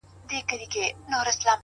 د ژوند د قدر تلاوت به هر سا کښ ته کوم!